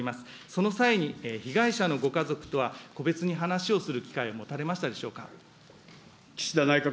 その際に、被害者のご家族とは個別に話をする機会は持たれましたでしょうか。